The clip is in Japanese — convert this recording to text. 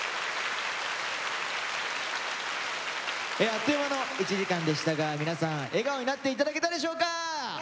あっという間の１時間でしたが皆さん笑顔になって頂けたでしょうか？